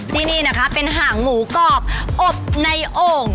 ที่นี่นะคะเป็นหางหมูกรอบอบในโอ่ง